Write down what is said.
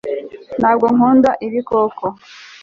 ntabwo nkunda ibikoko